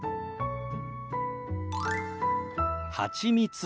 はちみつ。